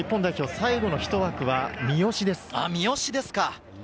最後の１枠は三好です。